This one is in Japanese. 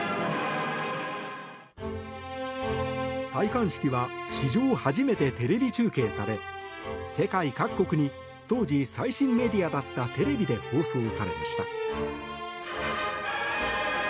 戴冠式は史上初めてテレビ中継され世界各国に当時最新メディアだったテレビで放送されました。